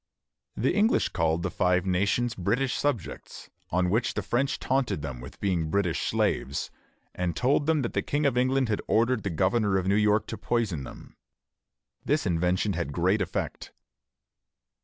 The English called the Five Nations British subjects, on which the French taunted them with being British slaves, and told them that the King of England had ordered the governor of New York to poison them. This invention had great effect.